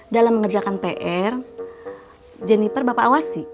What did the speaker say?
dalam mengerjakan pr jenniper bapak awasi